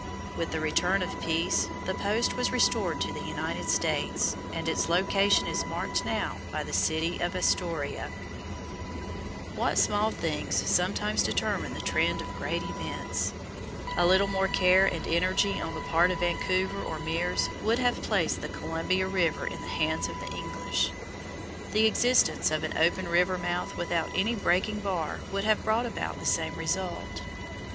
With the return of peace the post was restored to the United States, and its location is marked now by the city of Astoria. [Illustration: FIG. 40. TILLAMOOK ROCK Near the mouth of the Columbia River] What small things sometimes determine the trend of great events! A little more care and energy on the part of Vancouver or Meares would have placed the Columbia River in the hands of the English. The existence of an open river mouth without any breaking bar would have brought about the same result.